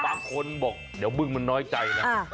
บางคนบอกเดี๋ยวบึ้งมันน้อยใจนะ